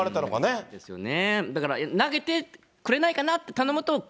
本当、そうですよね。